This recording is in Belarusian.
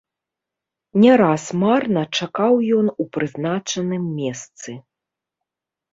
Не раз марна чакаў ён у прызначаным месцы.